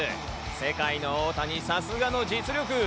世界の大谷、さすがの実力。